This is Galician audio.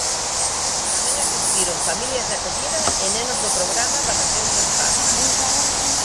Tamén asistiron familias de acollida e nenos do programa Vacacións en Paz.